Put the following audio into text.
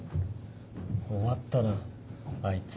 終わったなあいつ。